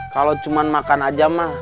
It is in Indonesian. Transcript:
kalau cuma makan aja mah